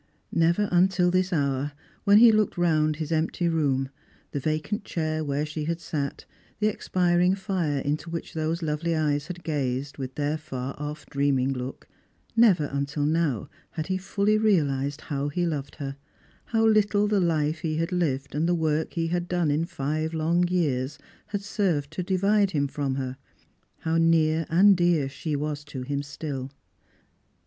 Never until this hour, when he looked round his empty room, the vacant chair where she had sat, the expiring fire into which those lovely eyes had gazed with their far off dreaming look — never until now had he fully realised how he loved her; how little the life he had lived and the work he had done in five long years had served to divide him from her ; how near and dear she was to him still.